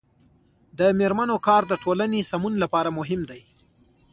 د میرمنو کار د ټولنې سمون لپاره مهم دی.